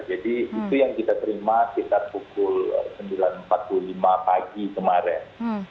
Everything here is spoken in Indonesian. jadi itu yang kita terima sekitar pukul sembilan empat puluh lima pagi kemarin